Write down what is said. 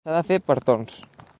S'ha de fer per torns.